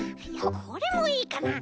これもいいかな？